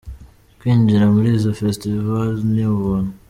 Kwinjira muri izo Festivals ni ubuntu.